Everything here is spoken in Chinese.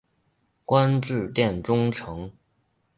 官至殿中丞。